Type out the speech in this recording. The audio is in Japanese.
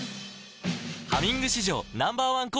「ハミング」史上Ｎｏ．１抗菌